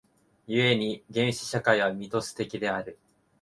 故に原始社会はミトス的である。